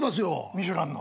ミシュランの？